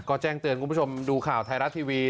ก็แจ้งเตือนคุณผู้ชมดูข่าวไทยรัฐทีวี